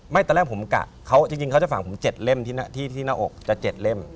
ไม่ครับหมอก็บอกฟังเข็มมากหรอ